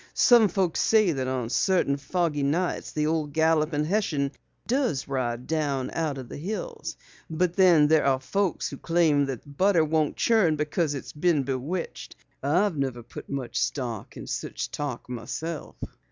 Some folks say that on certain foggy nights the old Galloping Hessian does ride down out of the hills. But then there are folks who claim their butter won't churn because it's been bewitched. I never put much stock in such talk myself."